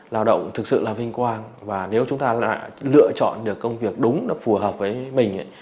lao động thực sự là vinh quang và nếu chúng ta lựa chọn được công việc đúng nó phù hợp với mình